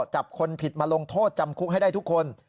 จับคนผิดมาลงโทษจำคุกให้ได้ทุกคน